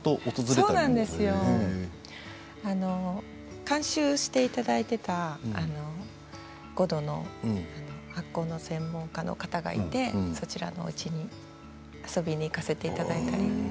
そうなんです監修していただいていたごどの発酵の専門家の方がいてそちらのうちに遊びに行かせていただいたり。